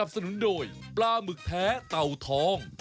สนุนโดยปลาหมึกแท้เต่าทอง